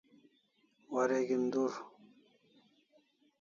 Wareg'in dur